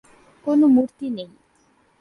কোন মূর্তি নেই।